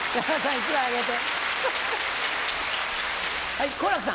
１枚あげて！